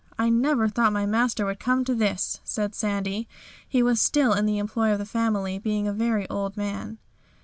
"I never thought my master would come to this," said Sandy. He was still in the employ of the family, being a very old man.